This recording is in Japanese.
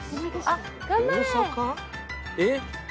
えっ？